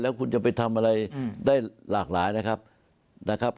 แล้วคุณจะไปทำอะไรได้หลากหลายนะครับนะครับ